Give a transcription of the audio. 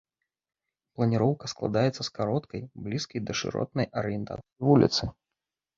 Планіроўка складаецца з кароткай, блізкай да шыротнай арыентацыі вуліцы.